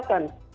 belum ada komite